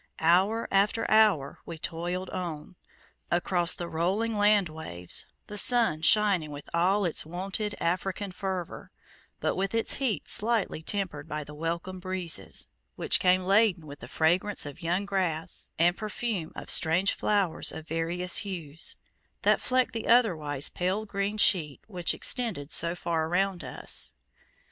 Hour after hour we toiled on, across the rolling land waves, the sun shining with all its wonted African fervor, but with its heat slightly tempered by the welcome breezes, which came laden with the fragrance of young grass, and perfume of strange flowers of various hues, that flecked the otherwise pale green sheet which extended so far around us.